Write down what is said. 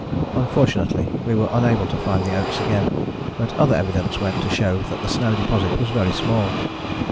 Unfortunately we were unable to find the oats again, but other evidence went to show that the snow deposit was very small.